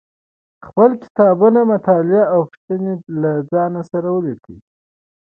خپل کتابونه مطالعه کړئ او پوښتنې له ځان سره ولیکئ